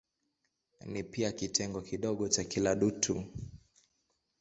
Ni pia kitengo kidogo cha kila dutu.